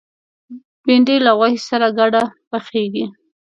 بېنډۍ له غوښې سره ګډه پخېږي